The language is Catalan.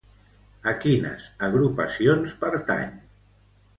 A quines agrupacions pertany?